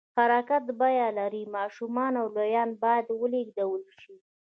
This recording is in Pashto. حرکت بیه لري، ماشومان او لویان باید ولېږدول شي.